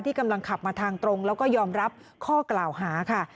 กำลังขับมาทางตรงแล้วก็ยอมรับข้อกล่าวหาค่ะ